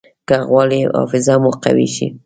که غواړئ حافظه مو قوي شي.